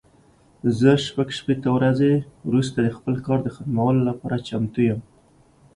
زه شپږ شپېته ورځې وروسته د خپل کار د ختمولو لپاره چمتو یم.